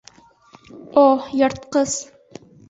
О, йыртҡыс!